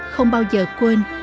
không bao giờ quên